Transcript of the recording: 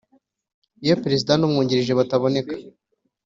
Iyo perezida n umwungirije bataboneka